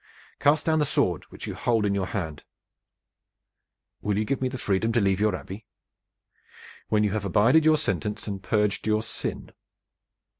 Cast down the sword which you hold in your hand!" "Will you give me freedom to leave your Abbey?" "When you have abided your sentence and purged your sin."